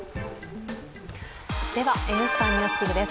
「Ｎスタ・ＮＥＷＳＤＩＧ」です。